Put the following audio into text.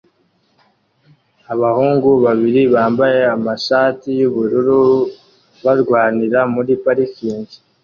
abahungu babiri bambaye amashati yubururu barwanira muri parikingi